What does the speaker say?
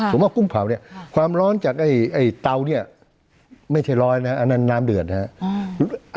ผมว่ากุ้งเผาเนี่ยความร้อนจากไอ้เตาเนี่ยไม่ใช่ร้อยนะอันนั้นน้ำเดือดนะครับ